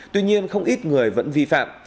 tuy nhiên không ít người vẫn vi phạm